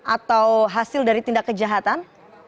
atau hasil dari tindak kejahatan